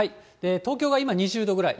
東京が今２０度くらい。